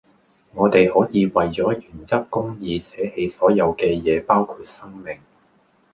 我地可以為左原則公義捨棄所有既野包括生命